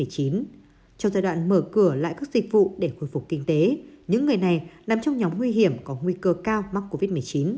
trong giai đoạn mở cửa lại các dịch vụ để khôi phục kinh tế những người này nằm trong nhóm nguy hiểm có nguy cơ cao mắc covid một mươi chín